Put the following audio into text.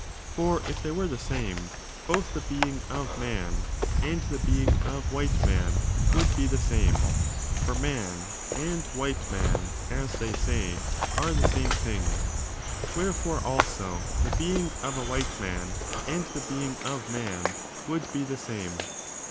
For if they were the same, both the being of man, and the being of white man, would be the same ; for man and white man, as they say, are the same thing. Wherefore, also, the being of a white man, and the being of man, would be the same.